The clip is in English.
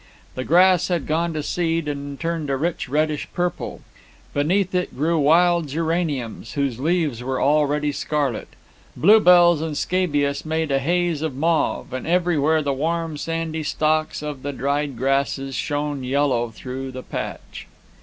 The grass had gone to seed and turned a rich reddish purple; beneath it grew wild geraniums whose leaves were already scarlet. Bluebells and scabious made a haze of mauve, and everywhere the warm, sandy stalks of the dried grasses shone yellow through the patch.